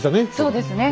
そうですね。